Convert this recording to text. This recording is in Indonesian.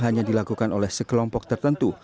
hanya dilakukan oleh sekelompok tertentu